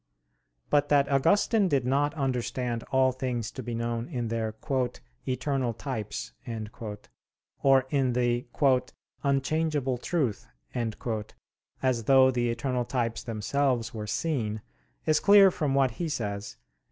But that Augustine did not understand all things to be known in their "eternal types" or in the "unchangeable truth," as though the eternal types themselves were seen, is clear from what he says (QQ.